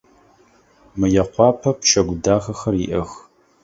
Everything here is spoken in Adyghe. Мыекъуапэ пчэгу дахэхэр иӏэх.